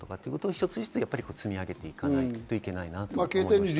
一つ一つ、積み上げていかないといけないと思います。